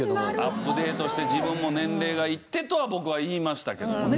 アップデートして自分も年齢がいってとは僕は言いましたけどもね。